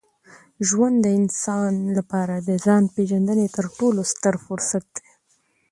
ژوند د انسان لپاره د ځان پېژندني تر ټولو ستر فرصت دی.